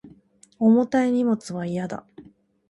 重たい荷物は嫌だ